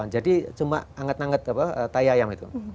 jadi cuma anget anget tayang itu